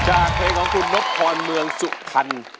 จากเพลงของคุณนพพรเมืองสุทัน